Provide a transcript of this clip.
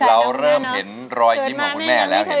เราเริ่มเห็นรอยยิ้มของคุณแม่แล้ว